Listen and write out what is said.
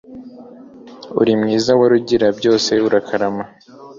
uri mwiza wa rugira byose urakarama